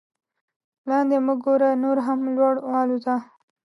لاندې مه ګوره نور هم لوړ والوځه.